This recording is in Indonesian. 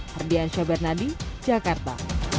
herdian syabernadi jakarta